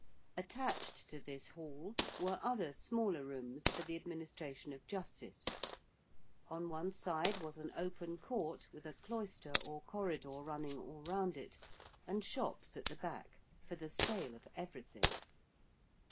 Attached to this hall were other smaller rooms for the administration of justice; on one side was an open court with a cloister or corridor running all round it and shops at the back for the sale of everything.